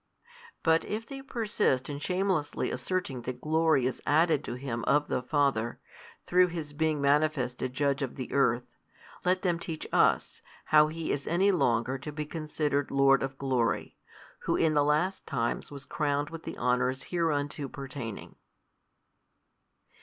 But if they persist in shamelessly asserting that glory is added to Him of the Father, through His being manifested Judge of the earth, let them teach us, how He is any longer to be considered Lord of glory, Who in the last times was crowned with the honours hereunto pertaining.